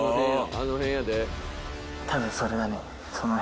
あの辺やで。